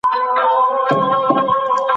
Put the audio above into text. ځان بسیاینه د هر هیواد ارمان دی.